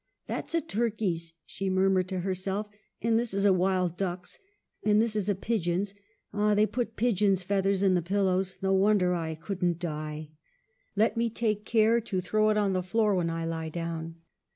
"'That's a turkey's,' she murmured to herself, 'and this is a wild duck's, and this is a pigeon's. Ah, they put pigeons' feathers in the pillows — no wonder I couldn't die,! Let me take care to throw it on the floor when I lie down.